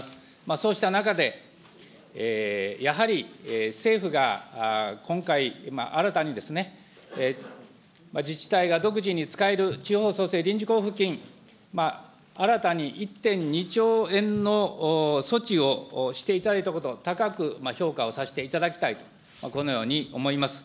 そうした中で、やはり政府が今回、新たにですね、自治体が独自に使える地方創生臨時交付金、新たに１．２兆円の措置をしていただいたこと、高く評価をさせていただきたいと、このように思います。